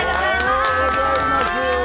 おはようございます。